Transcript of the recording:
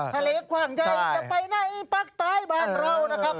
ทะเลกว่างใจจะไปในปากไต้บ้านเรานะครับ